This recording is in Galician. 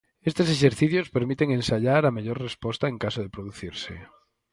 Estes exercicios permiten ensaiar a mellor resposta en caso de producirse.